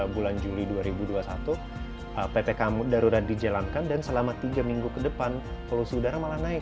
bulan juli dua ribu dua puluh satu ppkm darurat dijalankan dan selama tiga minggu ke depan polusi udara malah naik